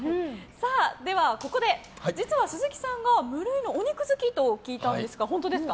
ではここで実は鈴木さんが無類のお肉好きと聞いたんですが、本当ですか？